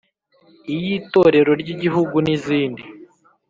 iy’itorero ry’igihugu n’izindi.